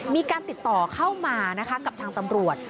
มีการติดต่อเข้ามานะคะกับทางตำรวจ